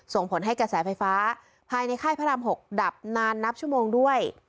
ส่งผลให้กระแสไฟฟ้าภายในค่ายพระราม๖ดับนานนับชั่วโมงด้วย